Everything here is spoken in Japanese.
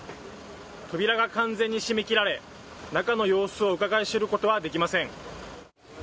扉が完全にしめ切られ、中の様子をうかがい知ることはできません。